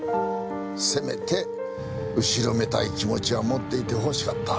せめて後ろめたい気持ちは持っていてほしかった。